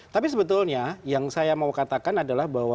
tapi sebetulnya yang saya mau katakan adalah bahwa